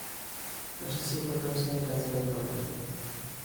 Falleció por causa de cáncer de colon.